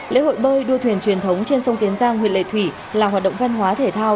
lễ hội bơi đua thuyền truyền thống trên sông kiến giang huyện lệ thủy là hoạt động văn hóa thể thao